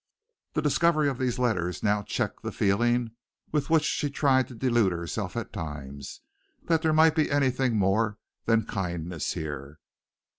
The discovery of these letters now checked the feeling, with which she tried to delude herself at times, that there might be anything more than kindness here.